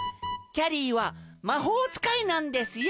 ゃりーはまほうつかいなんですよ。